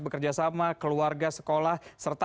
bekerja sama keluarga sekolah serta